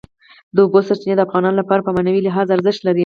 د اوبو سرچینې د افغانانو لپاره په معنوي لحاظ ارزښت لري.